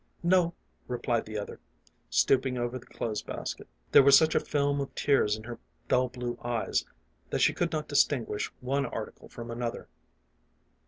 " No," replied the other, stooping over the clothes basket. There was such a film of tears in her dull blue eyes that she could not distinguish one article from another.